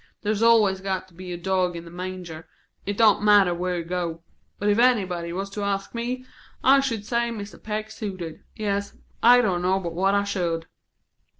There's always got to be a dog in the manger, it don't matter where you go. But if anybody was to ask me, I should say Mr. Peck suited. Yes, I don't know but what I should."